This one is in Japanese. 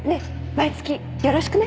毎月よろしくね。